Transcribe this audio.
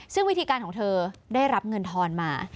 ซึ่งวิธีการของเธอได้รับเงินทอนมา